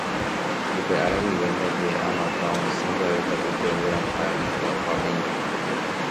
Upe ára guive ndaje Anata osẽ jave katuete ogueraha iku'akuápe imboka